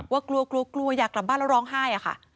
ว่ากลัวกลัวอยากกลับบ้านแล้วร้องไห้อะค่ะ